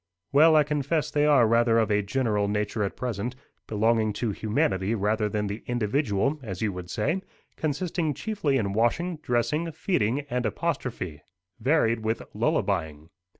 "Well, I confess they are rather of a general nature at present belonging to humanity rather than the individual, as you would say consisting chiefly in washing, dressing, feeding, and apostrophe, varied with lullabying.